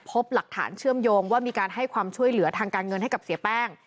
พบหลักฐานเชื่อมโยงว่ามีการให้ความช่วยเหลือทางการเงินให้กับเสียแป้ง